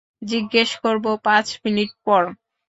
জিজ্ঞেস করবো পাঁচ মিনিট পর।